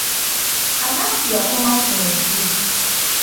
Anansi yakomawo ku nsi.